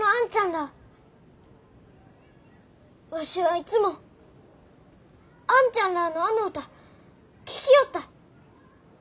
らあわしはいつもあんちゃんらあのあの歌聴きよった。